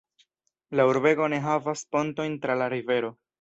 La urbego ne havas pontojn tra la rivero.